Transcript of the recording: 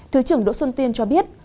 thứ trưởng đỗ xuân tuyên cho biết